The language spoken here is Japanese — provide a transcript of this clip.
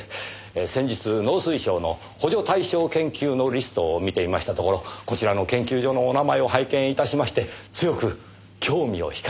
先日農水省の補助対象研究のリストを見ていましたところこちらの研究所のお名前を拝見致しまして強く興味を引かれたものですから。